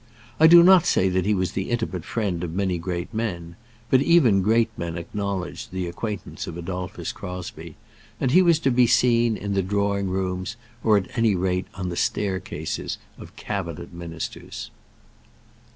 I do not say that he was the intimate friend of many great men; but even great men acknowledged the acquaintance of Adolphus Crosbie, and he was to be seen in the drawing rooms, or at any rate on the staircases, of Cabinet Ministers.